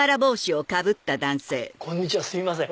こんにちはすいません。